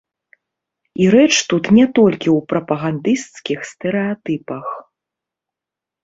І рэч тут не толькі ў прапагандысцкіх стэрэатыпах.